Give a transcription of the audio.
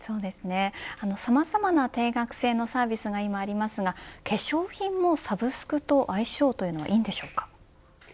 さまざまな定額制のサービスが今ありますが化粧品もサブスクと相性というのはいいんでしょうか。